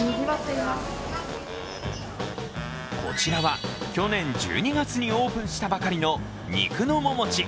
こちらは去年１２月にオープンしたばかりの肉のモモチ。